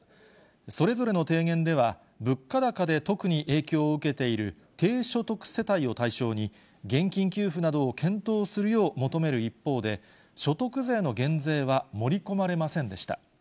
それぞれの提言では、物価高で特に影響を受けている、低所得世帯を対象に、現金給付などを検討するよう求める一方で、所得税の減税は盛り込まれませんでした。